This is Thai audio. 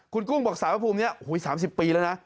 คุณกุ้งบอกสารภูมิเนี้ยหุ้ยสามสิบปีแล้วนะ